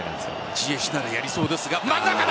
ジエシュならやりそうですが。